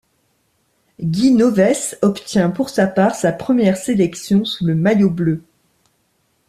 Guy Novès obtient pour sa part sa première sélection sous le maillot bleu.